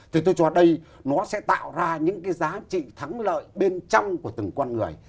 thì tôi cho đây nó sẽ tạo ra những cái giá trị thắng lợi bên trong của từng con người